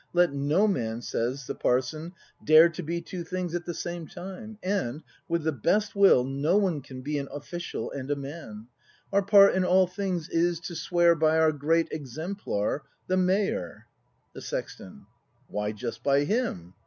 Let no man, says the Parson, dare To be two things at the same time; And, Vvith the best will, no one can Be an official and a man; Our part in all things is, to swear By our great exemplar — the Mayor. The Sexton. Why just by him